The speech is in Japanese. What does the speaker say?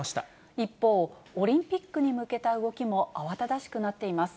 一方、オリンピックに向けた動きも慌ただしくなっています。